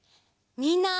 みんな。